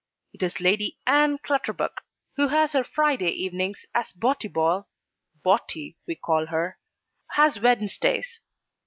It is Lady Ann Clutterbuck, who has her Friday evenings, as Botibol (Botty, we call her,) has Wednesdays.